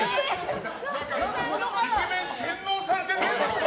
イケメンが洗脳されてる。